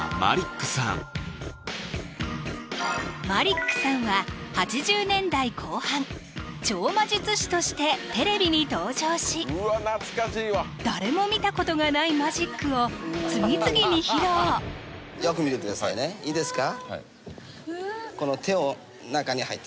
マリックさんは８０年代後半超魔術師としてテレビに登場し誰も見たことがないマジックを次々に披露いいですか？